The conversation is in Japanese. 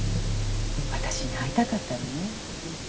私に会いたかったのね。